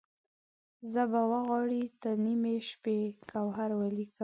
زه به وغاړې ته د نیمې شپې، ګوهر ولیکم